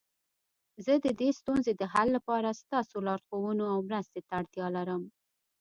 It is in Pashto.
زه د دې ستونزې د حل لپاره ستاسو لارښوونو او مرستي ته اړتیا لرم